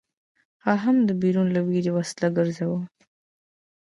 هغه هم د پیرو له ویرې وسله ګرځوله.